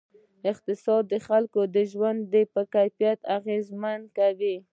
اقتصاد د خلکو د ژوند پر کیفیت اغېز کوي.